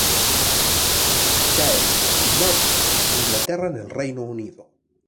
Giles, Norfolk, Inglaterra en el Reino Unido.